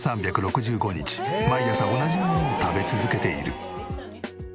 ３６５日毎朝同じものを食べ続けている。